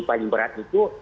paling berat itu